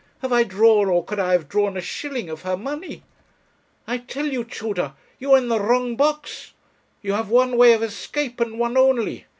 have I drawn, or could I have drawn, a shilling of her money? I tell you, Tudor, you are in the wrong box. You have one way of escape, and one only.